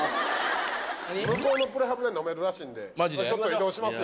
向こうのプレハブで飲めるらしいんでちょっと移動しますよ。